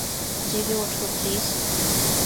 জেগে ওঠো, প্লিজ।